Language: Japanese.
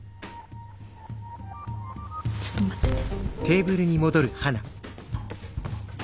ちょっと待ってて。